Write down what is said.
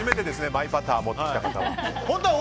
マイパター持ってきた方は。